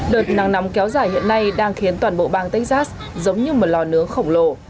đợt nắng nóng kéo dài hiện nay đang khiến toàn bộ bang texas giống như một lò nướng khổng lồ